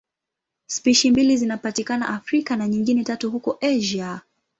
Spishi mbili zinapatikana Afrika na nyingine tatu huko Asia.